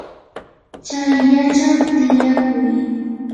chayllachaw tiyakuy.